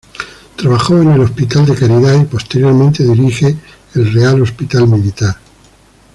Trabajó en el Hospital de Caridad y posteriormente, dirige el Real Hospital Militar.